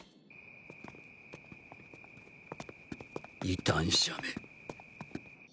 異端者め！